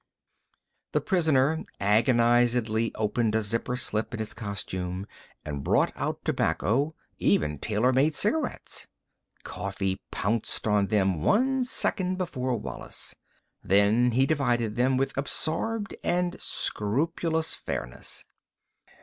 The prisoner agonizedly opened a zipper slip in his costume and brought out tobacco, even tailor made cigarettes. Coffee pounced on them one second before Wallis. Then he divided them with absorbed and scrupulous fairness.